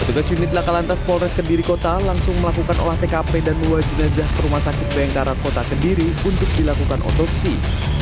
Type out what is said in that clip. petugas unit laka lantas polres kediri kota langsung melakukan olah tkp dan mewajibkan kerumah sakit bengkara kota kediri untuk dilakukan perubahan